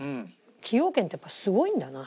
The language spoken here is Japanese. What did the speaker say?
崎陽軒ってやっぱすごいんだな。